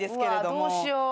うわどうしよう。